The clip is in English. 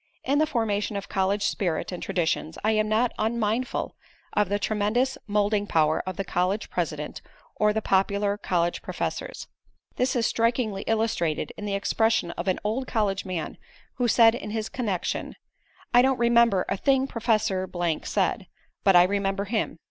In the formation of college spirit and traditions I am not unmindful of the tremendous moulding power of the college president or the popular college professors. This is strikingly illustrated in the expression of an old college man, who said in this connection: "I don't remember a thing Professor said, but I remember him."